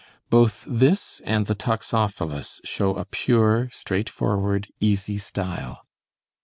Both this and the 'Toxophilus' show a pure, straightforward, easy style.